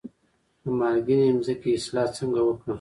د مالګینې ځمکې اصلاح څنګه وکړم؟